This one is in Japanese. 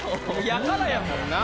やからやもんな。